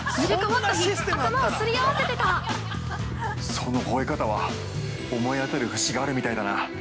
◆そのほえ方は思い当たる節があるみたいだな。